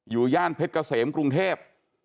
อยู่ย่านเพชรเกษมกรุงเทพฯ